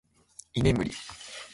居眠り